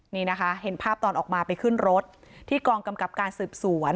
นี่นะคะเห็นภาพตอนออกมาไปขึ้นรถที่กองกำกับการสืบสวน